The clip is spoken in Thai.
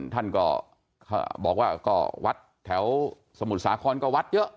ท่านก็บอกว่าก็วัดแถวสมุทรสาครก็วัดเยอะ